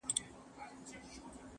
تر بار لاندي یې ورمات کړله هډونه!!